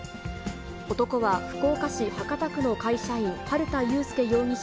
男は福岡市博多区の会社員、春田悠輔容疑者